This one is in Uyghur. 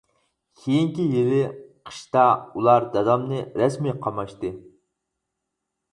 كېيىنكى يىلى قىشتا ئۇلار دادامنى رەسمىي قاماشتى.